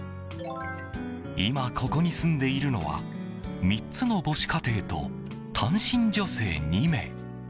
今ここに住んでいるのは３つの母子家庭と単身女性２名。